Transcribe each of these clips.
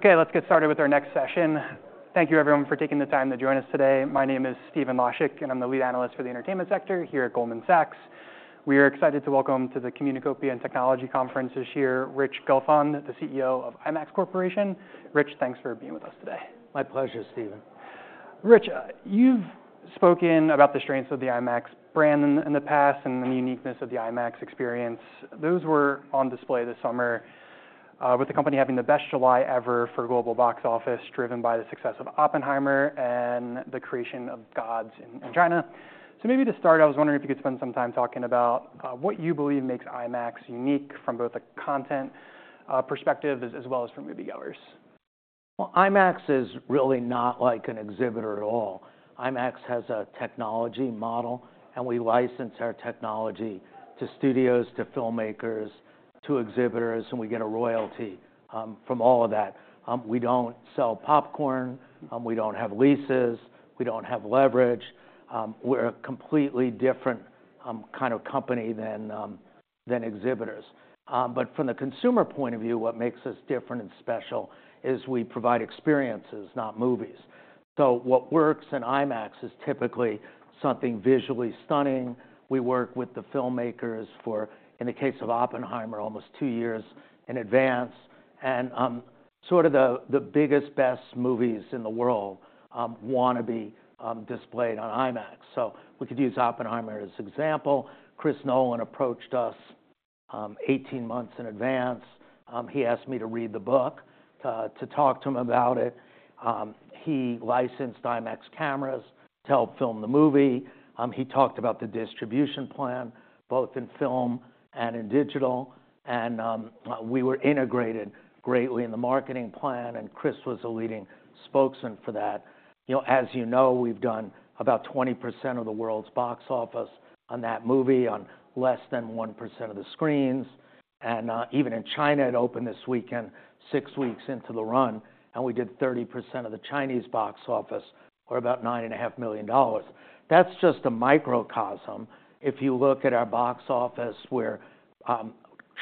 Okay, let's get started with our next session. Thank you everyone for taking the time to join us today. My name is Stephen Laszczyk, and I'm the lead analyst for the entertainment sector here at Goldman Sachs. We are excited to welcome to the Communacopia + Technology Conference this year, Rich Gelfond, the CEO of IMAX Corporation. Rich, thanks for being with us today. My pleasure, Stephen. Rich, you've spoken about the strengths of the IMAX brand in the past, and the uniqueness of the IMAX experience. Those were on display this summer, with the company having the best July ever for global box office, driven by the success of Oppenheimer and Creation of the Gods in China. So maybe to start, I was wondering if you could spend some time talking about what you believe makes IMAX unique from both a content perspective, as well as for moviegoers? Well, IMAX is really not like an exhibitor at all. IMAX has a technology model, and we license our technology to studios, to filmmakers, to exhibitors, and we get a royalty from all of that. We don't sell popcorn, we don't have leases, we don't have leverage. We're a completely different kind of company than exhibitors. But from the consumer point of view, what makes us different and special is we provide experiences, not movies. So what works in IMAX is typically something visually stunning. We work with the filmmakers for, in the case of Oppenheimer, almost two years in advance, and sort of the biggest, best movies in the world wanna be displayed on IMAX. So we could use Oppenheimer as example. Chris Nolan approached us 18 months in advance. He asked me to read the book to talk to him about it. He licensed IMAX cameras to help film the movie. He talked about the distribution plan, both in film and in digital, and we were integrated greatly in the marketing plan, and Chris was a leading spokesman for that. You know, as you know, we've done about 20% of the world's box office on that movie, on less than 1% of the screens. Even in China, it opened this weekend, six weeks into the run, and we did 30% of the Chinese box office, or about $9.5 million. That's just a microcosm. If you look at our box office, we're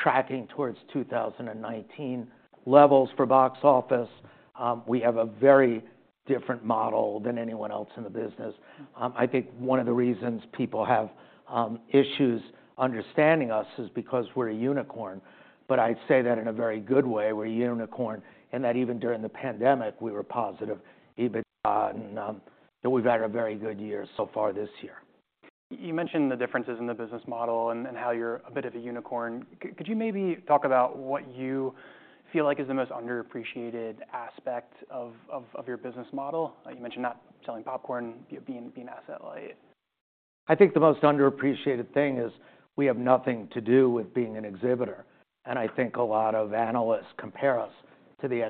tracking towards 2019 levels for box office. We have a very different model than anyone else in the business. I think one of the reasons people have issues understanding us is because we're a unicorn, but I'd say that in a very good way. We're a unicorn, and that even during the pandemic, we were positive EBITDA, and that we've had a very good year so far this year. You mentioned the differences in the business model and how you're a bit of a unicorn. Could you maybe talk about what you feel like is the most underappreciated aspect of your business model? You mentioned not selling popcorn, being asset light. I think the most underappreciated thing is we have nothing to do with being an exhibitor, and I think a lot of analysts compare us to the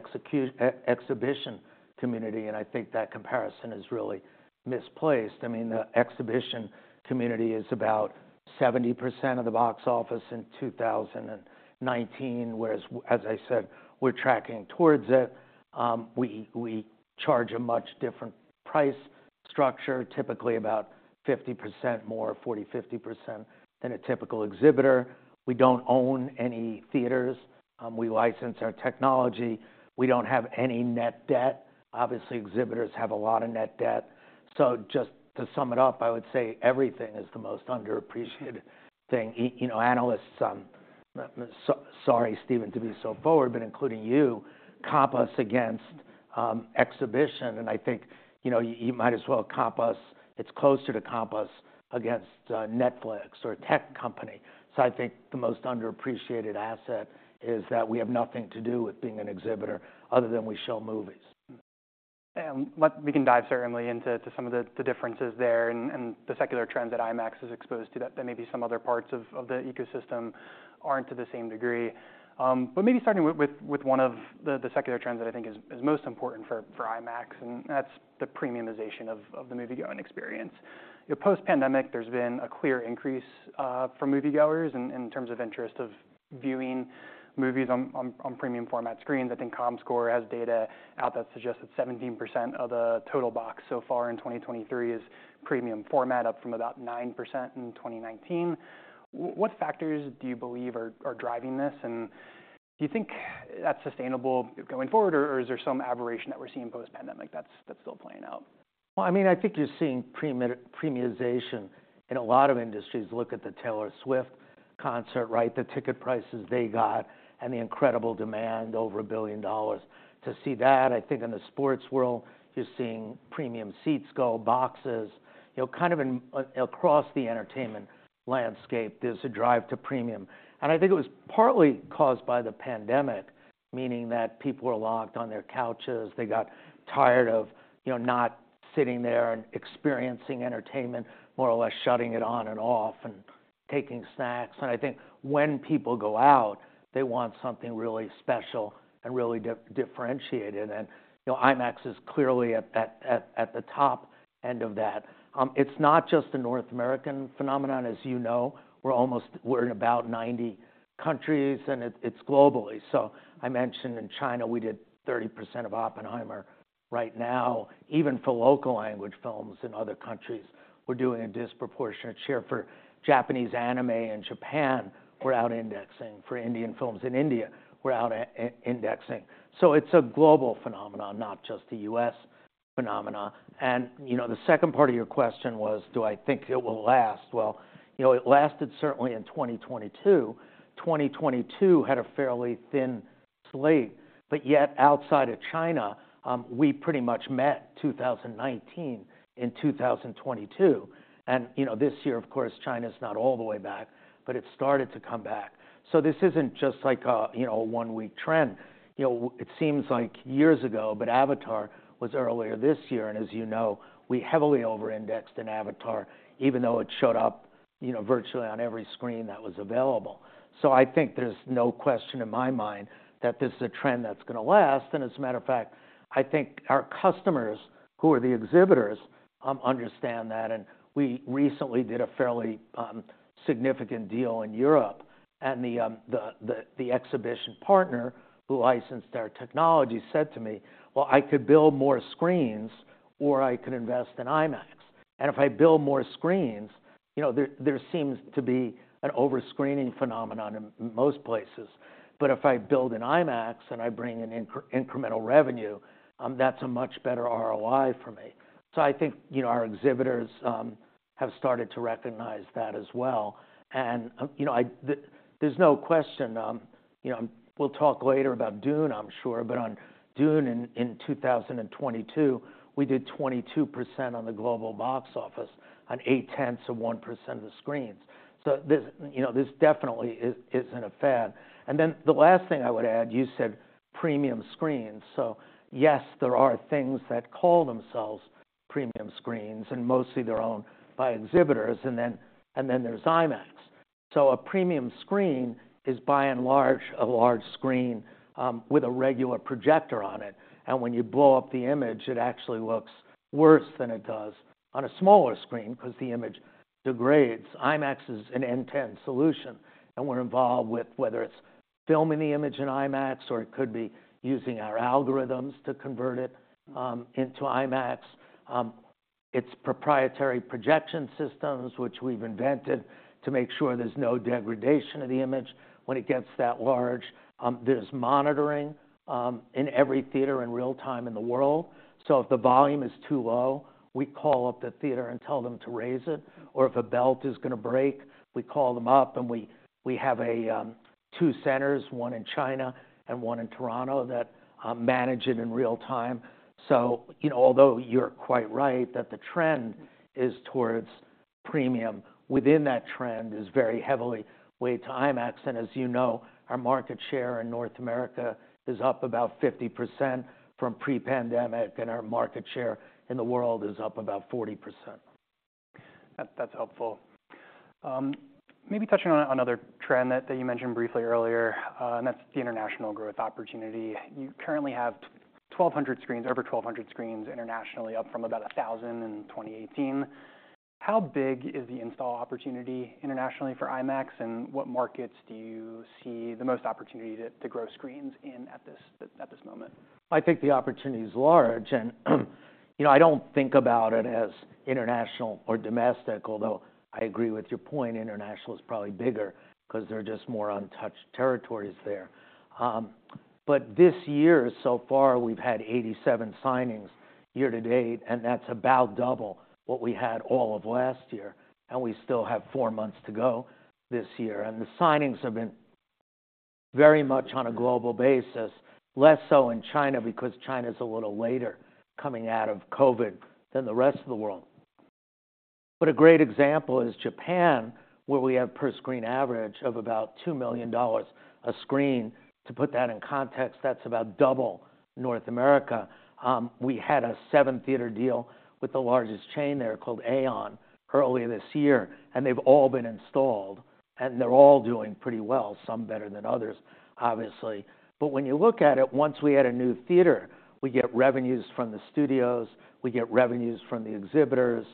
exhibition community, and I think that comparison is really misplaced. I mean, the exhibition community is about 70% of the box office in 2019, whereas as I said, we're tracking towards it. We charge a much different price structure, typically about 50% more, 40%-50% than a typical exhibitor. We don't own any theaters. We license our technology. We don't have any net debt. Obviously, exhibitors have a lot of net debt. So just to sum it up, I would say everything is the most underappreciated thing. You know, analysts, sorry, Stephen, to be so forward, but including you, comp us against exhibition, and I think, you know, you might as well comp us, it's closer to comp us against Netflix or a tech company. So I think the most underappreciated asset is that we have nothing to do with being an exhibitor other than we show movies. We can dive certainly into some of the differences there and the secular trend that IMAX is exposed to, that maybe some other parts of the ecosystem aren't to the same degree. But maybe starting with one of the secular trends that I think is most important for IMAX, and that's the premiumization of the moviegoing experience. You know, post-pandemic, there's been a clear increase for moviegoers in terms of interest of viewing movies on premium format screens. I think Comscore has data out that suggests that 17% of the total box so far in 2023 is premium format, up from about 9% in 2019. What factors do you believe are driving this, and do you think that's sustainable going forward, or is there some aberration that we're seeing post-pandemic that's still playing out? Well, I mean, I think you're seeing premiumization in a lot of industries. Look at the Taylor Swift concert, right? The ticket prices they got and the incredible demand, over $1 billion. To see that, I think in the sports world, you're seeing premium seats go, boxes. You know, kind of across the entertainment landscape, there's a drive to premium, and I think it was partly caused by the pandemic, meaning that people were locked on their couches. They got tired of, you know, not sitting there and experiencing entertainment, more or less shutting it on and off and taking snacks. And I think when people go out, they want something really special and really differentiated, and you know, IMAX is clearly at the top end of that. It's not just a North American phenomenon, as you know. We're in about 90 countries, and it's globally. So I mentioned in China, we did 30% of Oppenheimer. Right now, even for local language films in other countries, we're doing a disproportionate share. For Japanese anime in Japan, we're out-indexing. For Indian films in India, we're out-indexing. So it's a global phenomenon, not just a U.S. phenomenon. And, you know, the second part of your question was, do I think it will last? Well, you know, it lasted certainly in 2022. 2022 had a fairly thin slate, but yet outside of China, we pretty much met 2019 in 2022. And, you know, this year, of course, China's not all the way back, but it started to come back. So this isn't just like a, you know, a one-week trend. You know, it seems like years ago, but Avatar was earlier this year, and as you know, we heavily over-indexed in Avatar, even though it showed up, you know, virtually on every screen that was available. So I think there's no question in my mind that this is a trend that's gonna last, and as a matter of fact, I think our customers, who are the exhibitors, understand that. And we recently did a fairly significant deal in Europe, and the exhibition partner who licensed our technology said to me: "Well, I could build more screens, or I could invest in IMAX. And if I build more screens, you know, there seems to be an over-screening phenomenon in most places. But if I build an IMAX and I bring in incremental revenue, that's a much better ROI for me." So I think, you know, our exhibitors have started to recognize that as well. And, you know, there's no question, you know, we'll talk later about Dune, I'm sure. But on Dune in 2022, we did 22% on the global box office on 0.8% of the screens. So this, you know, this definitely isn't a fad. And then the last thing I would add, you said premium screens. So yes, there are things that call themselves premium screens, and mostly they're owned by exhibitors, and then, and then there's IMAX. So a premium screen is, by and large, a large screen, with a regular projector on it, and when you blow up the image, it actually looks worse than it does on a smaller screen 'cause the image degrades. IMAX is an end-to-end solution, and we're involved with whether it's filming the image in IMAX, or it could be using our algorithms to convert it, into IMAX. It's proprietary projection systems, which we've invented to make sure there's no degradation of the image when it gets that large. There's monitoring, in every theater in real-time in the world. So if the volume is too low, we call up the theater and tell them to raise it, or if a belt is gonna break, we call them up and we, we have a, two centers, one in China and one in Toronto, that, manage it in real-time. So, you know, although you're quite right that the trend is towards premium, within that trend is very heavily weighted to IMAX. And as you know, our market share in North America is up about 50% from pre-pandemic, and our market share in the world is up about 40%. That's, that's helpful. Maybe touching on another trend that you mentioned briefly earlier, and that's the international growth opportunity. You currently have 1,200 screens, over 1,200 screens internationally, up from about 1,000 in 2018. How big is the install opportunity internationally for IMAX, and what markets do you see the most opportunity to grow screens in at this moment? I think the opportunity is large, and, you know, I don't think about it as international or domestic, although I agree with your point, international is probably bigger 'cause there are just more untouched territories there. But this year, so far, we've had 87 signings year to date, and that's about double what we had all of last year, and we still have four months to go this year. The signings have been very much on a global basis, less so in China, because China's a little later coming out of COVID than the rest of the world. But a great example is Japan, where we have per-screen average of about $2 million a screen. To put that in context, that's about double North America. We had a seven-theater deal with the largest chain there, called AEON, earlier this year, and they've all been installed, and they're all doing pretty well, some better than others, obviously. But when you look at it, once we add a new theater, we get revenues from the studios, we get revenues from the exhibitors,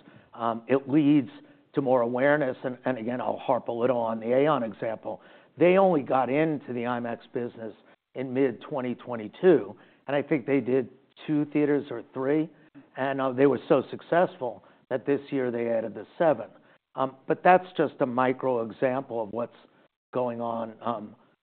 it leads to more awareness. And again, I'll harp a little on the AEON example. They only got into the IMAX business in mid-2022, and I think they did two theaters or three, and they were so successful that this year they added the seventh. But that's just a micro example of what's going on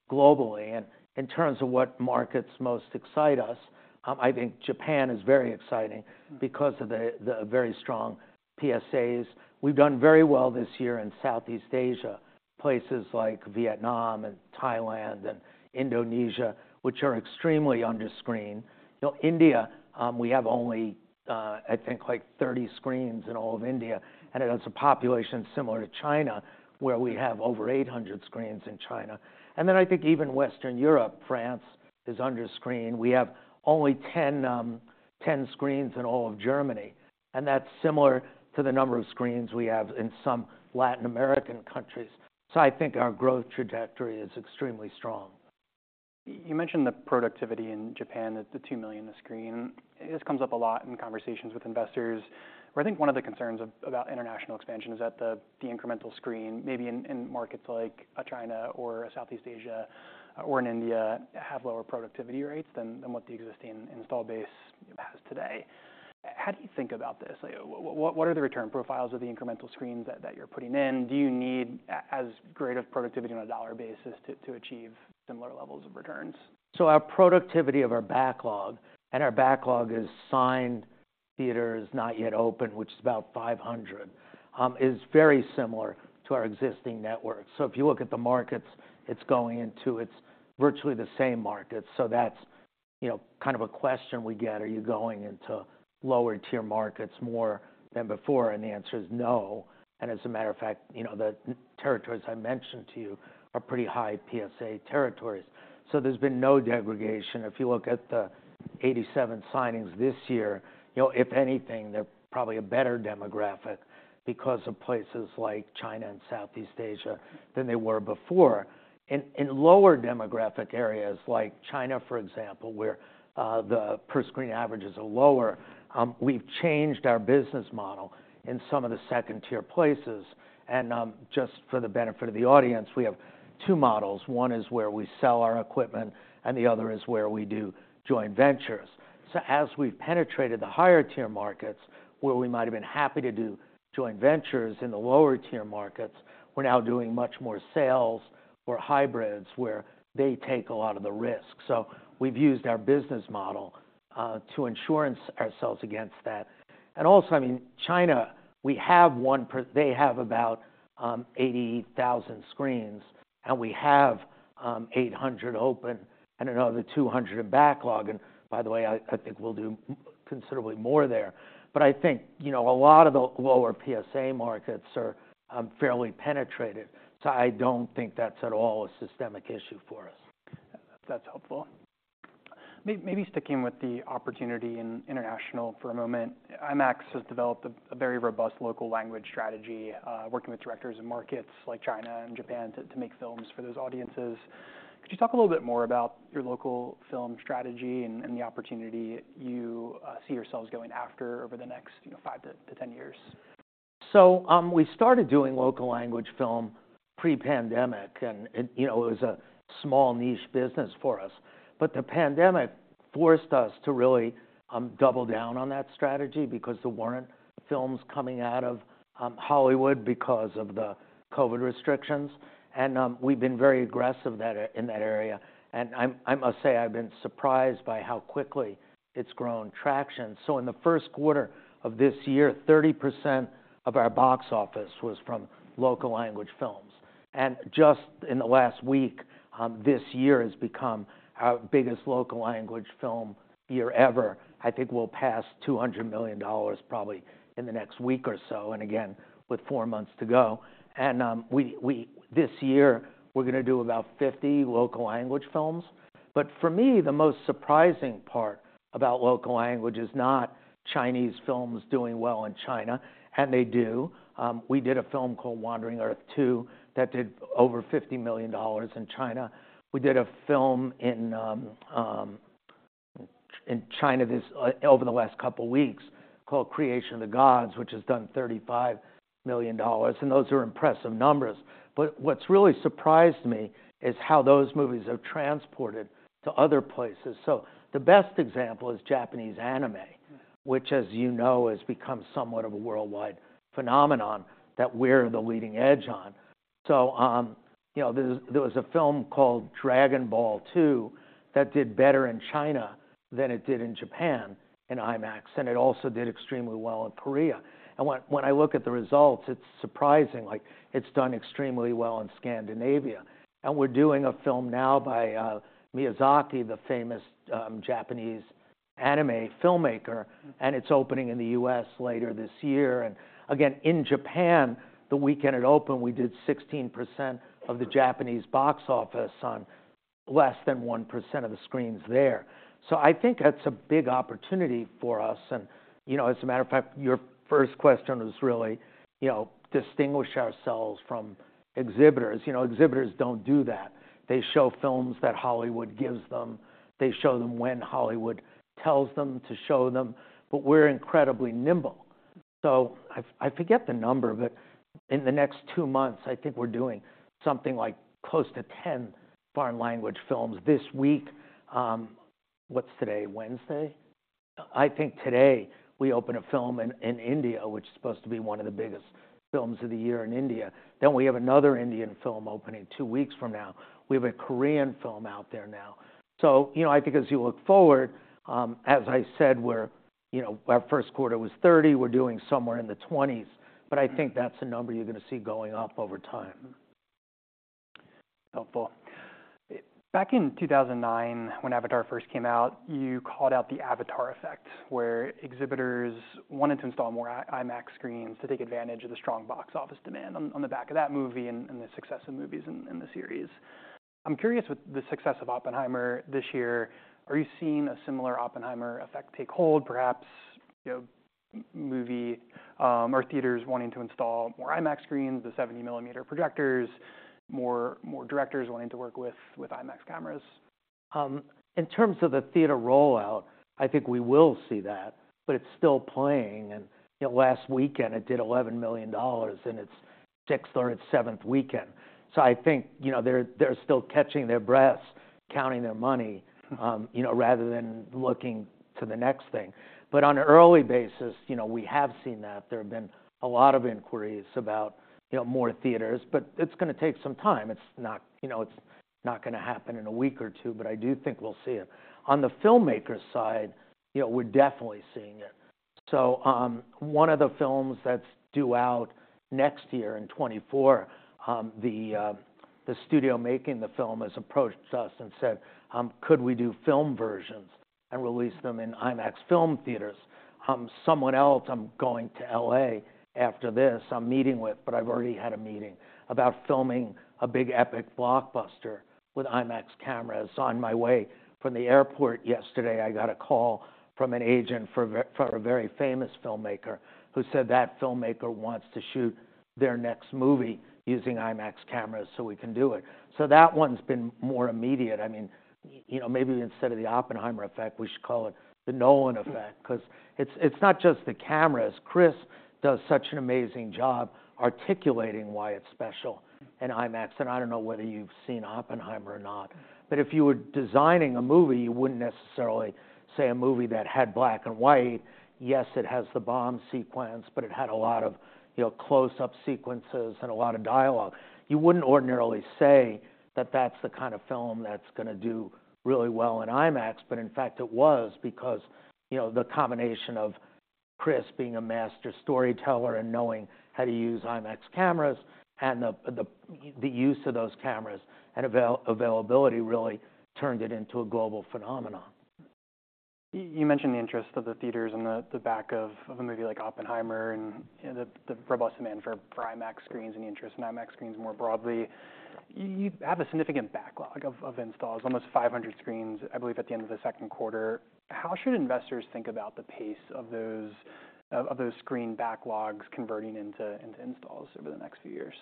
globally. And in terms of what markets most excite us, I think Japan is very exciting because of the very strong PSAs. We've done very well this year in Southeast Asia, places like Vietnam and Thailand and Indonesia, which are extremely under-screened. You know, India, we have only, I think, like, 30 screens in all of India, and it has a population similar to China, where we have over 800 screens in China. And then I think even Western Europe, France, is under-screened. We have only 10 screens in all of Germany, and that's similar to the number of screens we have in some Latin American countries. So I think our growth trajectory is extremely strong. You mentioned the productivity in Japan, that the $2 million a screen. This comes up a lot in conversations with investors, where I think one of the concerns of- about international expansion is that the, the incremental screen, maybe in, in markets like, China or Southeast Asia or in India, have lower productivity rates than, than what the existing install base has today. How do you think about this? Like, what, what are the return profiles of the incremental screens that, that you're putting in? Do you need a- as great of productivity on a dollar basis to, to achieve similar levels of returns? So our productivity of our backlog, and our backlog is signed theaters not yet open, which is about 500, is very similar to our existing network. So if you look at the markets it's going into, it's virtually the same markets. So that's, you know, kind of a question we get: Are you going into lower-tier markets more than before? And the answer is no. And as a matter of fact, you know, the territories I mentioned to you are pretty high PSA territories, so there's been no degradation. If you look at the 87 signings this year, you know, if anything, they're probably a better demographic because of places like China and Southeast Asia than they were before. And, and in lower demographic areas like China, for example, where the per-screen averages are lower, we've changed our business model in some of the second-tier places. Just for the benefit of the audience, we have two models. One is where we sell our equipment, and the other is where we do joint ventures. So as we've penetrated the higher-tier markets, where we might have been happy to do joint ventures in the lower-tier markets, we're now doing much more sales or hybrids, where they take a lot of the risk. So we've used our business model to insure ourselves against that. And also, I mean, China, they have about 80,000 screens, and we have 800 open and another 200 in backlog. And by the way, I think we'll do considerably more there. But I think, you know, a lot of the lower PSA markets are fairly penetrated, so I don't think that's at all a systemic issue for us. That's helpful. Maybe sticking with the opportunity in international for a moment, IMAX has developed a very robust local language strategy, working with directors in markets like China and Japan to make films for those audiences. Could you talk a little bit more about your local film strategy and the opportunity you see yourselves going after over the next, you know, five to 10 years? So, we started doing local language film pre-pandemic and, you know, it was a small niche business for us. But the pandemic forced us to really double down on that strategy because there weren't films coming out of Hollywood because of the COVID restrictions. We've been very aggressive in that area, and I must say I've been surprised by how quickly it's grown traction. So in the first quarter of this year, 30% of our box office was from local language films, and just in the last week, this year has become our biggest local language film year ever. I think we'll pass $200 million probably in the next week or so, and again, with four months to go. This year, we're gonna do about 50 local language films. But for me, the most surprising part about local language is not Chinese films doing well in China, and they do. We did a film called Wandering Earth 2, that did over $50 million in China. We did a film in China over the last couple of weeks called Creation of the Gods, which has done $35 million, and those are impressive numbers. But what's really surprised me is how those movies have transported to other places. So the best example is Japanese anime, which, as you know, has become somewhat of a worldwide phenomenon that we're the leading edge on. So, you know, there was a film called Dragon Ball 2 that did better in China than it did in Japan, in IMAX, and it also did extremely well in Korea. When I look at the results, it's surprising, like, it's done extremely well in Scandinavia. We're doing a film now by Miyazaki, the famous Japanese anime filmmaker, and it's opening in the U.S. later this year. Again, in Japan, the weekend it opened, we did 16% of the Japanese box office on less than 1% of the screens there. So I think that's a big opportunity for us. You know, as a matter of fact, your first question was really, you know, distinguish ourselves from exhibitors. You know, exhibitors don't do that. They show films that Hollywood gives them. They show them when Hollywood tells them to show them, but we're incredibly nimble. So I forget the number, but in the next two months, I think we're doing something like close to 10 foreign language films this week. What's today? Wednesday? I think today we open a film in India, which is supposed to be one of the biggest films of the year in India. Then we have another Indian film opening two weeks from now. We have a Korean film out there now. So, you know, I think as you look forward, as I said, we're, you know, our first quarter was $30. We're doing somewhere in the $20s, but I think that's a number you're going to see going up over time. Helpful. Back in 2009, when Avatar first came out, you called out the Avatar effect, where exhibitors wanted to install more IMAX screens to take advantage of the strong box office demand on the back of that movie and the success of movies in the series. I'm curious, with the success of Oppenheimer this year, are you seeing a similar Oppenheimer effect take hold, perhaps, you know, movie or theaters wanting to install more IMAX screens, the 70 mm projectors, more directors wanting to work with IMAX cameras? In terms of the theater rollout, I think we will see that, but it's still playing and, you know, last weekend it did $11 million in its sixth or its seventh weekend. So I think, you know, they're, they're still catching their breaths, counting their money, you know, rather than looking to the next thing. But on an early basis, you know, we have seen that. There have been a lot of inquiries about, you know, more theaters, but it's gonna take some time. It's not, you know, it's not gonna happen in a week or two, but I do think we'll see it. On the filmmaker side, you know, we're definitely seeing it.... So, one of the films that's due out next year in 2024, the studio making the film has approached us and said, "Could we do film versions and release them in IMAX film theaters?" Someone else I'm going to L.A. after this, I'm meeting with, but I've already had a meeting about filming a big epic blockbuster with IMAX cameras. On my way from the airport yesterday, I got a call from an agent for a very famous filmmaker, who said that filmmaker wants to shoot their next movie using IMAX cameras, so we can do it. So that one's been more immediate. I mean, you know, maybe instead of the Oppenheimer effect, we should call it the Nolan effect. 'Cause it's not just the cameras. Chris does such an amazing job articulating why it's special in IMAX. I don't know whether you've seen Oppenheimer or not, but if you were designing a movie, you wouldn't necessarily say a movie that had black and white. Yes, it has the bomb sequence, but it had a lot of, you know, close-up sequences and a lot of dialogue. You wouldn't ordinarily say that that's the kind of film that's gonna do really well in IMAX. But in fact, it was because, you know, the combination of Chris being a master storyteller and knowing how to use IMAX cameras, and the use of those cameras and availability really turned it into a global phenomenon. You mentioned the interest of the theaters and the back of a movie like Oppenheimer, and the robust demand for IMAX screens and the interest in IMAX screens more broadly. You have a significant backlog of installs, almost 500 screens, I believe, at the end of the second quarter. How should investors think about the pace of those screen backlogs converting into installs over the next few years?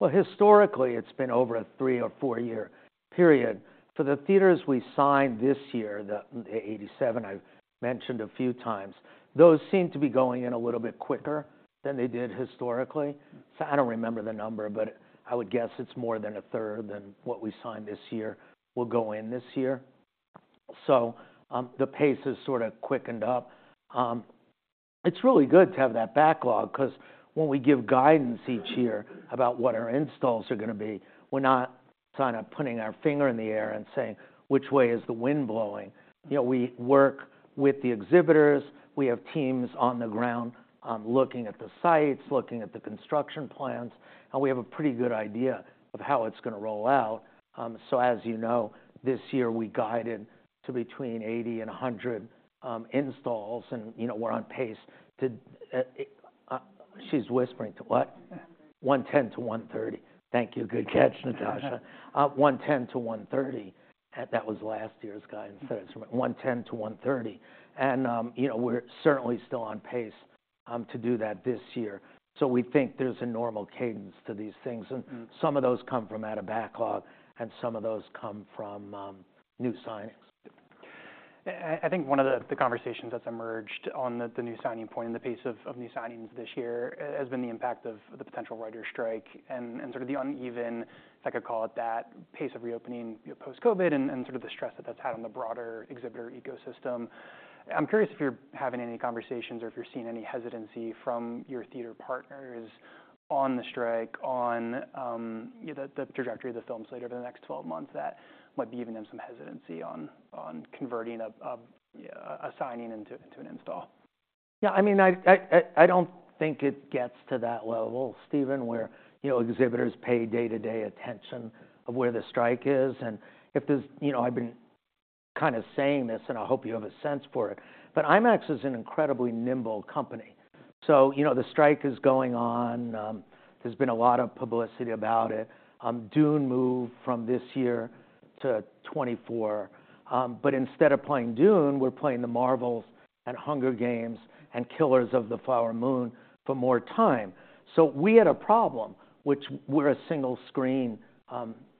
Well, historically, it's been over a three or four-year period. For the theaters we signed this year, the 87 I've mentioned a few times, those seem to be going in a little bit quicker than they did historically. So I don't remember the number, but I would guess it's more than 1/3 than what we signed this year, will go in this year. So, the pace has sort of quickened up. It's really good to have that backlog, 'cause when we give guidance each year about what our installs are gonna be, we're not kind of putting our finger in the air and saying, "Which way is the wind blowing?" You know, we work with the exhibitors, we have teams on the ground, looking at the sites, looking at the construction plans, and we have a pretty good idea of how it's gonna roll out. As you know, this year, we guided to between 80 and 100 installs, and, you know, we're on pace to... She's whispering. To what? 110. 110-130. Thank you. Good catch, Natasha. 110-130. That was last year's guidance. 110-130, and, you know, we're certainly still on pace to do that this year. So we think there's a normal cadence to these things. Some of those come from out of backlog, and some of those come from new signings. I think one of the conversations that's emerged on the new signing point and the pace of new signings this year has been the impact of the potential writers strike and sort of the uneven, if I could call it that, pace of reopening post-COVID and sort of the stress that's had on the broader exhibitor ecosystem. I'm curious if you're having any conversations or if you're seeing any hesitancy from your theater partners on the strike, on, you know, the trajectory of the films later over the next 12 months, that might be giving them some hesitancy on converting a signing into an install. Yeah, I mean, I don't think it gets to that level, Stephen, where, you know, exhibitors pay day-to-day attention of where the strike is. And if there's. You know, I've been kind of saying this, and I hope you have a sense for it, but IMAX is an incredibly nimble company. So, you know, the strike is going on. There's been a lot of publicity about it. Dune moved from this year to 2024. But instead of playing Dune, we're playing The Marvels and Hunger Games and Killers of the Flower Moon for more time. So we had a problem, which we're a single screen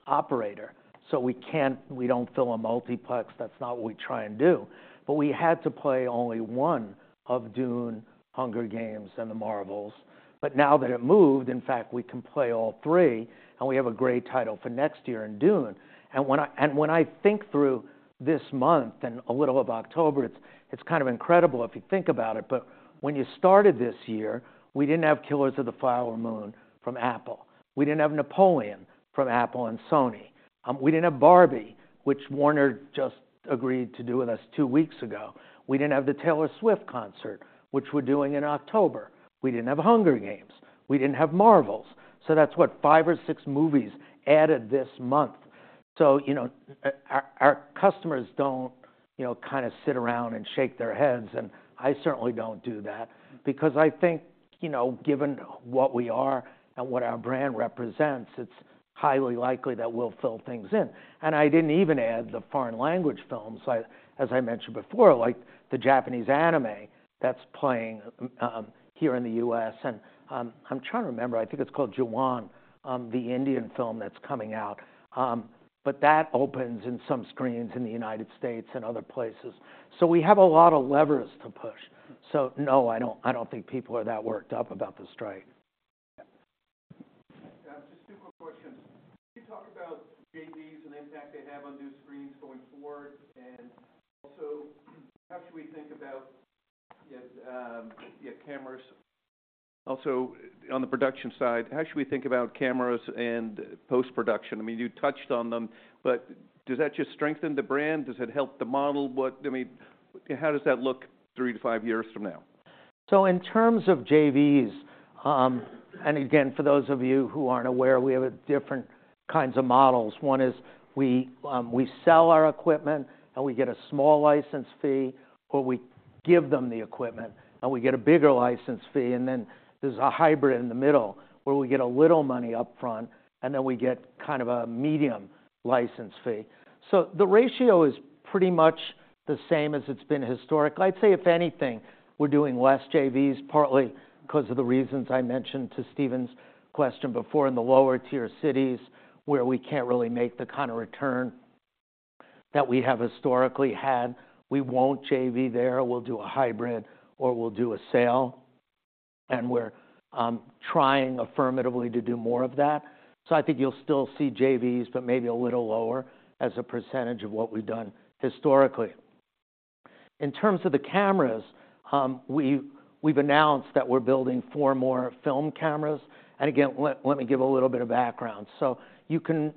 operator, so we can't, we don't fill a multiplex. That's not what we try and do. But we had to play only one of Dune, Hunger Games, and The Marvels. But now that it moved, in fact, we can play all three, and we have a great title for next year in Dune. And when I think through this month and a little of October, it's, it's kind of incredible if you think about it, but when you started this year, we didn't have Killers of the Flower Moon from Apple. We didn't have Napoleon from Apple and Sony. We didn't have Barbie, which Warner just agreed to do with us two weeks ago. We didn't have the Taylor Swift concert, which we're doing in October. We didn't have Hunger Games. We didn't have Marvels. So that's what? Five or six movies added this month. So, you know, our, our customers don't, you know, kind of sit around and shake their heads, and I certainly don't do that. Because I think, you know, given what we are and what our brand represents, it's highly likely that we'll fill things in. And I didn't even add the foreign language films, like, as I mentioned before, like the Japanese anime that's playing here in the U.S. And, I'm trying to remember, I think it's called Jawan, the Indian film that's coming out. But that opens in some screens in the United States and other places. So we have a lot of levers to push. So no, I don't, I don't think people are that worked up about the strike. Yeah. Just two quick questions. Can you talk about JVs and the impact they have on new screens going forward? And also, how should we think about your cameras-... Also, on the production side, how should we think about cameras and post-production? I mean, you touched on them, but does that just strengthen the brand? Does it help the model? I mean, how does that look three to five years from now? So in terms of JVs, and again, for those of you who aren't aware, we have different kinds of models. One is we sell our equipment, and we get a small license fee, or we give them the equipment, and we get a bigger license fee. And then there's a hybrid in the middle, where we get a little money upfront, and then we get kind of a medium license fee. So the ratio is pretty much the same as it's been historically. I'd say, if anything, we're doing less JVs, partly 'cause of the reasons I mentioned to Stephen's question before, in the lower tier cities, where we can't really make the kind of return that we have historically had. We won't JV there. We'll do a hybrid or we'll do a sale, and we're trying affirmatively to do more of that. So I think you'll still see JVs, but maybe a little lower as a percentage of what we've done historically. In terms of the cameras, we've announced that we're building four more film cameras. And again, let me give a little bit of background. So you can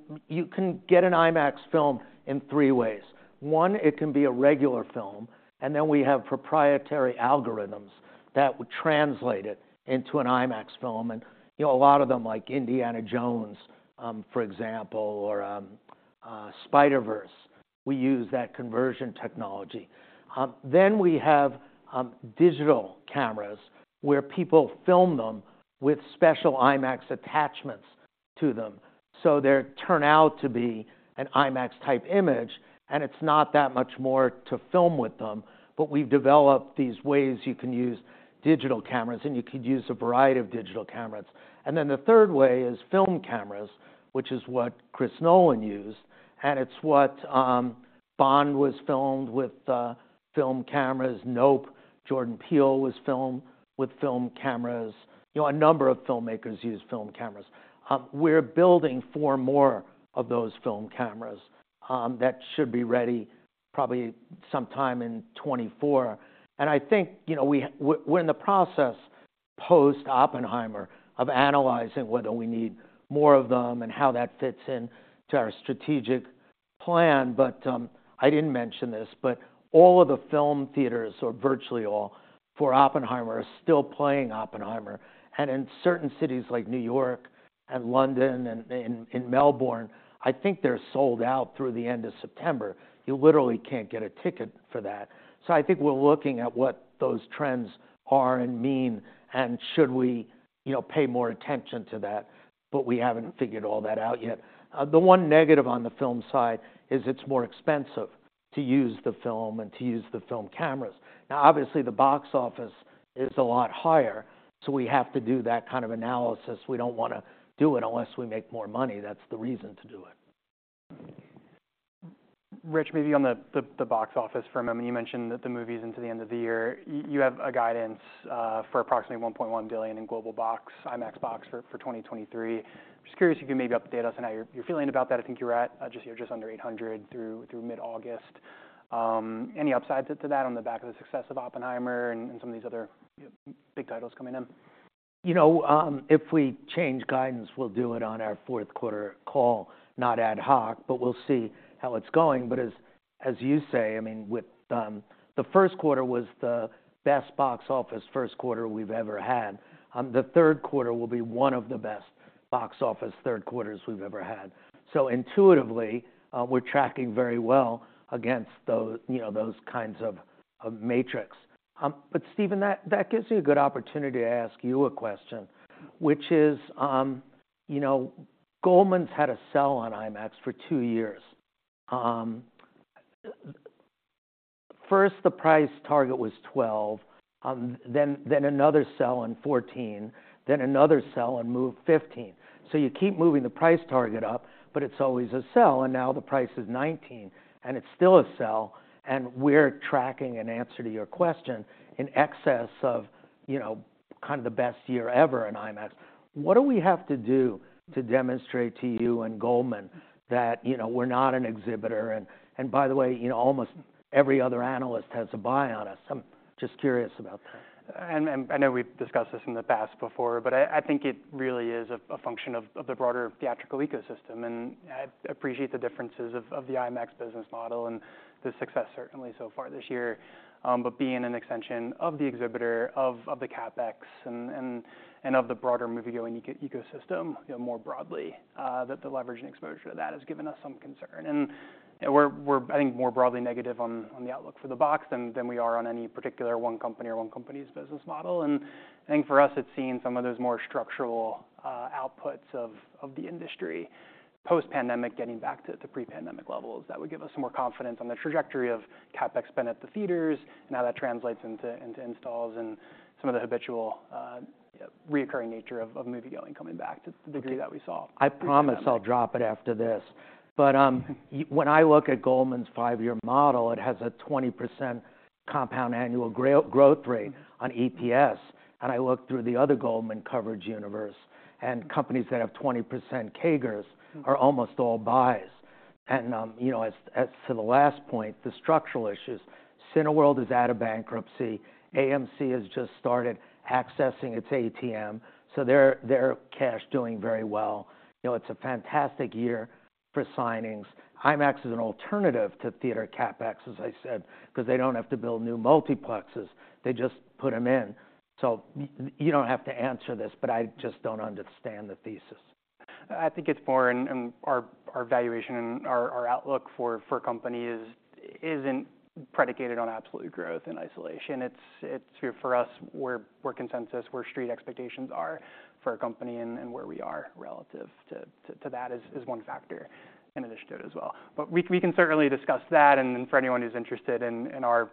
get an IMAX film in three ways. One, it can be a regular film, and then we have proprietary algorithms that would translate it into an IMAX film. And, you know, a lot of them, like Indiana Jones, for example, or Spider-Verse, we use that conversion technology. Then we have digital cameras, where people film them with special IMAX attachments to them, so they turn out to be an IMAX-type image, and it's not that much more to film with them. But we've developed these ways you can use digital cameras, and you could use a variety of digital cameras. And then the third way is film cameras, which is what Chris Nolan used, and it's what, Bond was filmed with, film cameras. Nope, Jordan Peele was filmed with film cameras. You know, a number of filmmakers use film cameras. We're building four more of those film cameras, that should be ready probably sometime in 2024. And I think, you know, we're in the process, post-Oppenheimer, of analyzing whether we need more of them and how that fits in to our strategic plan. But, I didn't mention this, but all of the film theaters, or virtually all, for Oppenheimer, are still playing Oppenheimer. In certain cities like New York and London and in Melbourne, I think they're sold out through the end of September. You literally can't get a ticket for that. I think we're looking at what those trends are and mean and should we, you know, pay more attention to that, but we haven't figured all that out yet. The one negative on the film side is it's more expensive to use the film and to use the film cameras. Now, obviously, the box office is a lot higher, so we have to do that kind of analysis. We don't wanna do it unless we make more money. That's the reason to do it. Rich, maybe on the box office for a moment. You mentioned that the movie is into the end of the year. You have a guidance for approximately $1.1 billion in global box, IMAX box, for 2023. Just curious if you can maybe update us on how you're feeling about that. I think you're at just here, just under $800 million through mid-August. Any upsides it to that on the back of the success of Oppenheimer and some of these other big titles coming in? You know, if we change guidance, we'll do it on our fourth quarter call, not ad hoc, but we'll see how it's going. But as you say, I mean, with the first quarter was the best box office first quarter we've ever had. The third quarter will be one of the best box office third quarters we've ever had. So intuitively, we're tracking very well against those, you know, those kinds of metrics. But Stephen, that gives me a good opportunity to ask you a question, which is, you know, Goldman's had a sell on IMAX for two years. First, the price target was $12, then another sell on $14, then another sell and moved $15. So you keep moving the price target up, but it's always a sell, and now the price is $19, and it's still a sell, and we're tracking, in answer to your question, in excess of, you know, kind of the best year ever in IMAX. What do we have to do to demonstrate to you and Goldman that, you know, we're not an exhibitor? And by the way, you know, almost every other analyst has a buy on us. I'm just curious about that. I know we've discussed this in the past before, but I think it really is a function of the broader theatrical ecosystem. I appreciate the differences of the IMAX business model and the success, certainly, so far this year. But being an extension of the exhibitor, of the CapEx and of the broader moviegoing ecosystem, more broadly, that the leverage and exposure to that has given us some concern. We're, I think, more broadly negative on the outlook for the box than we are on any particular one company or one company's business model. I think for us, it's seeing some of those more structural outputs of the industry, post-pandemic, getting back to the pre-pandemic levels that would give us more confidence on the trajectory of CapEx spend at the theaters and how that translates into installs and some of the habitual recurring nature of moviegoing coming back to the degree that we saw. I promise I'll drop it after this. But when I look at Goldman's five-year model, it has a 20% compound annual growth rate on EPS. I look through the other Goldman coverage universe, and companies that have 20% CAGRs are almost all buys. You know, as to the last point, the structural issues, Cineworld is out of bankruptcy. AMC has just started accessing its ATM, so their cash doing very well. You know, it's a fantastic year for signings. IMAX is an alternative to theater CapEx, as I said, because they don't have to build new multiplexes, they just put them in. You don't have to answer this, but I just don't understand the thesis. I think it's more in our valuation and our outlook for companies isn't predicated on absolute growth in isolation. It's for us, where consensus, where street expectations are for a company and where we are relative to that is one factor in addition to it as well. But we can certainly discuss that, and then for anyone who's interested in our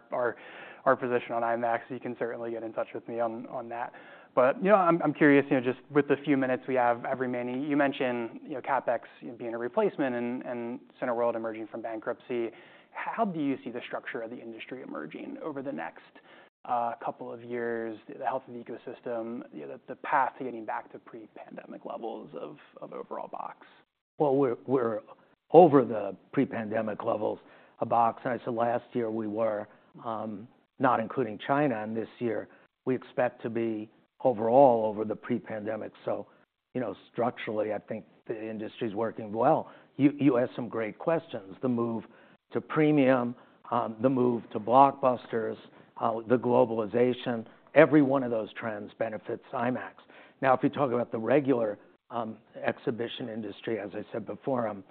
position on IMAX, you can certainly get in touch with me on that. But, you know, I'm curious, you know, just with the few minutes we have every minute, you mentioned, you know, CapEx being a replacement and Cineworld emerging from bankruptcy. How do you see the structure of the industry emerging over the next couple of years, the health of the ecosystem, the path to getting back to pre-pandemic levels of overall box? Well, we're over the pre-pandemic levels of box. And so last year we were, not including China, and this year we expect to be overall over the pre-pandemic. So, you know, structurally, I think the industry's working well. You asked some great questions. The move to premium, the move to blockbusters, the globalization, every one of those trends benefits IMAX. Now, if you talk about the regular, exhibition industry, as I said before, I'm,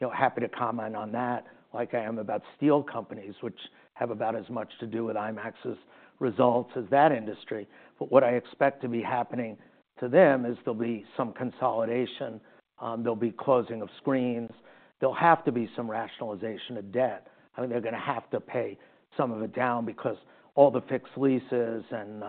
you know, happy to comment on that, like I am about steel companies, which have about as much to do with IMAX's results as that industry. But what I expect to be happening to them is there'll be some consolidation, there'll be closing of screens. There'll have to be some rationalization of debt. I mean, they're gonna have to pay some of it down because all the fixed leases and,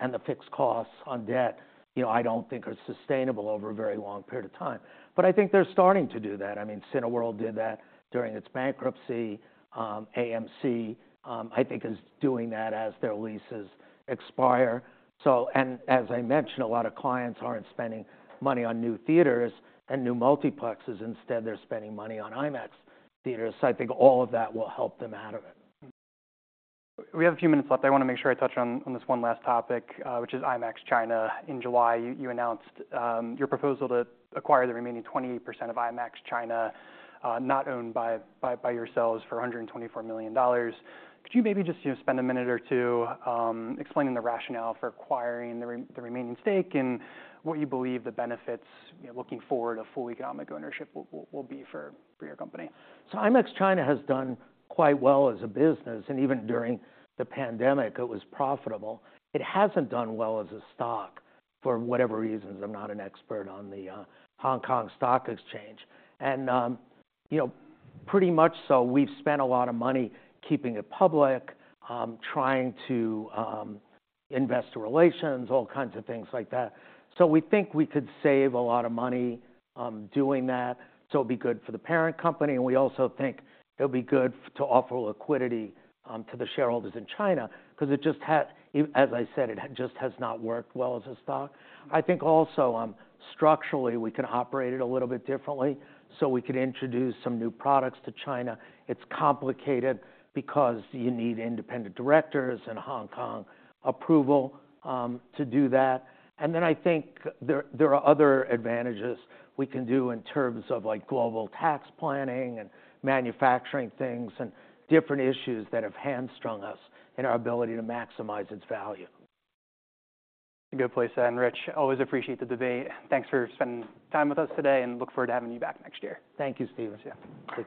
and the fixed costs on debt, you know, I don't think are sustainable over a very long period of time. But I think they're starting to do that. I mean, Cineworld did that during its bankruptcy. AMC, I think is doing that as their leases expire. So-- and as I mentioned, a lot of clients aren't spending money on new theaters and new multiplexes. Instead, they're spending money on IMAX theaters. So I think all of that will help them out of it. We have a few minutes left. I wanna make sure I touch on this one last topic, which is IMAX China. In July, you announced your proposal to acquire the remaining 20% of IMAX China not owned by yourselves for $124 million. Could you maybe just, you know, spend a minute or two explaining the rationale for acquiring the remaining stake and what you believe the benefits, you know, looking forward, a full economic ownership will be for your company? So IMAX China has done quite well as a business, and even during the pandemic, it was profitable. It hasn't done well as a stock for whatever reasons. I'm not an expert on the Hong Kong Stock Exchange. And you know, pretty much so, we've spent a lot of money keeping it public, trying to investor relations, all kinds of things like that. So we think we could save a lot of money doing that, so it'd be good for the parent company, and we also think it'll be good to offer liquidity to the shareholders in China, because it just has, as I said, it has just not worked well as a stock. I think also, structurally, we can operate it a little bit differently, so we could introduce some new products to China. It's complicated because you need independent directors and Hong Kong approval to do that. And then I think there are other advantages we can do in terms of, like, global tax planning and manufacturing things, and different issues that have hamstrung us in our ability to maximize its value. Good place to end, Rich. Always appreciate the debate. Thanks for spending time with us today, and look forward to having you back next year. Thank you, Stephen. Yeah. Take care.